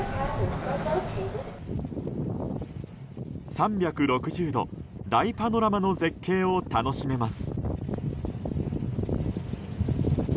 ３６０度大パノラマの絶景を楽しめます。